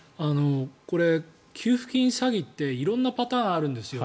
これ、給付金詐欺って色んなパターンがあるんですよ。